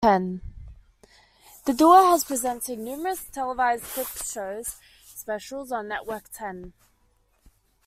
The duo have presented numerous televised clip show specials on Network Ten.